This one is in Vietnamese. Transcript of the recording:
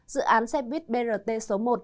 dự án xe buýt brt số một